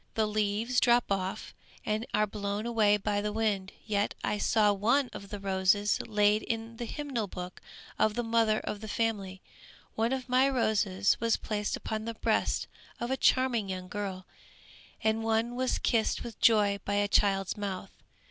The leaves drop off and are blown away by the wind. Yet, I saw one of the roses laid in the hymn book of the mother of the family; one of my roses was placed upon the breast of a charming young girl, and one was kissed with joy by a child's mouth.